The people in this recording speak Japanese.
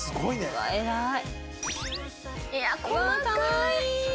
うわ偉い！